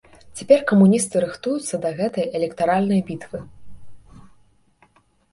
Цяпер камуністы рыхтуюцца да гэтай электаральнай бітвы.